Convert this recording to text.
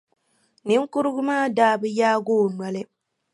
Niŋkurugu maa daa bi yaagi o noli.